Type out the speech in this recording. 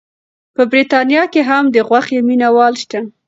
په بریتانیا کې هم د غوښې مینه وال شته.